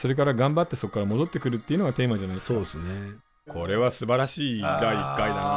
これはすばらしい第１回だな。